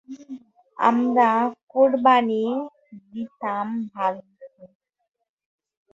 আমরা কোরবানি দিতাম ভাগে।